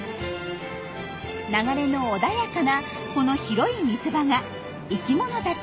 流れの穏やかなこの広い水場が生きものたちを引き付けます。